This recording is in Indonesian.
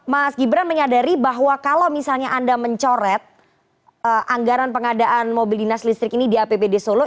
mas gibran menyadari bahwa kalau misalnya anda mencoret anggaran pengadaan mobil dinas listrik ini di apbd solo